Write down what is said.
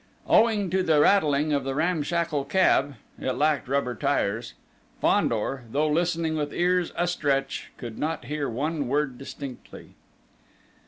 Owing to the rattling of the ramshackle cab it lacked rubber tyres Fandor, though listening with ears astretch, could not hear one word distinctly.